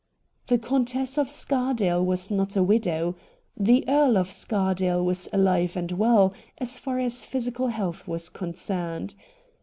The Countess of Scardale was not a widow. The Earl of Scardale was ahve and well, as far as physical health was concerned.